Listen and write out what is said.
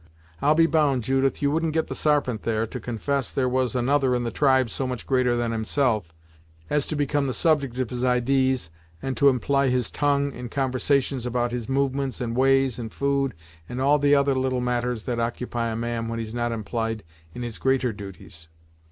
I'll be bound, Judith, you wouldn't get the Sarpent, there, to confess there was another in the tribe so much greater than himself, as to become the subject of his idees, and to empl'y his tongue in conversations about his movements, and ways, and food, and all the other little matters that occupy a man when he's not empl'y'd in his greater duties.